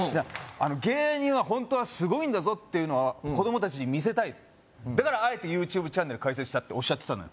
芸人はホントはすごいんだぞっていうのを子供達に見せたいだからあえてＹｏｕＴｕｂｅチャンネル開設したっておっしゃってたのよ